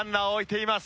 いきます！